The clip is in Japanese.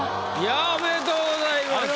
ありがとうございます。